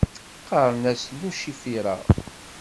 Qqaren-as Lucifera